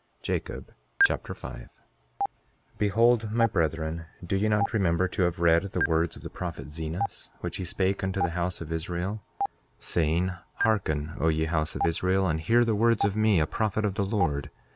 Jacob Chapter 5 5:1 Behold, my brethren, do ye not remember to have read the words of the prophet Zenos, which he spake unto the house of Israel, saying: 5:2 Hearken, O ye house of Israel, and hear the words of me, a prophet of the Lord.